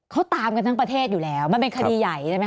เขาตามคืนทั้งประเทศยูแลวมันเป็นคดีใหญ่นะบน